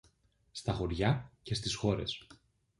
στα χωριά και στις χώρες.